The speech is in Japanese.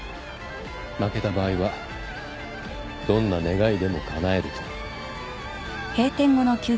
負けた場合はどんな願いでもかなえると。